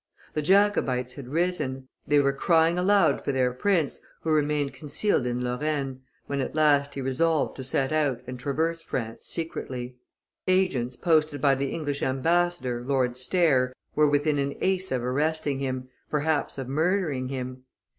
The Jacobites had risen; they were crying aloud for their prince, who remained concealed in Lorraine, when at last he resolved to set out and traverse France secretly. Agents, posted by the English ambassador, Lord Stair, were within an ace of arresting him, perhaps of murdering him.